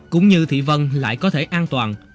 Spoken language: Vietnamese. cũng như thị vân lại có thể an toàn